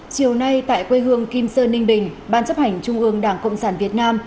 chiều nay tại quê hương kim sơn ninh bình ban chấp hành trung ương đảng cộng sản việt nam